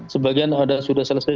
sebagian ada sudah selesai